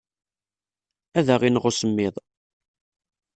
Ad aɣ-ineɣ usemmiḍ.